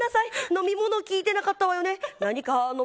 飲み物聞いてなかったわよね。